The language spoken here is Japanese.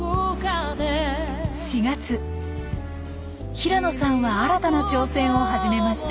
平野さんは新たな挑戦を始めました。